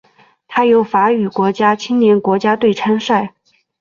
它由法语国家青年国家队参赛。